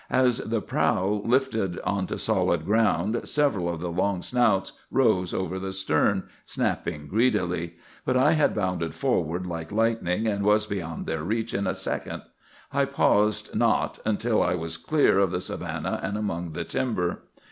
As the prow lifted onto solid ground, several of the long snouts rose over the stern, snapping greedily; but I had bounded forward like lightning, and was beyond their reach in a second. I paused not till I was clear of the savanna and among the timber.